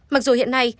mặc dù hiện nay